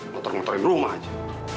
motor motorin rumah ya